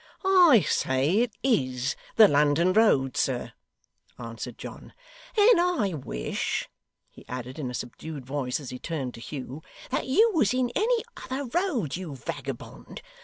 'I say it IS the London road, sir,' answered John. 'And I wish,' he added in a subdued voice, as he turned to Hugh, 'that you was in any other road, you vagabond.